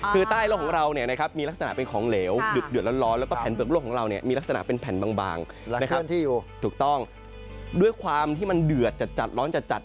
คือใต้โลกของเรามีลักษณะเป็นของเหลวเดือดร้อน